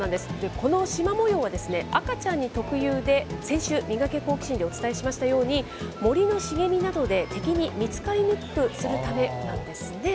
このしま模様は赤ちゃんに特有で、先週、ミガケ、好奇心！でお伝えしましたように、森の茂みなどで敵に見つかりにくくするためなんですね。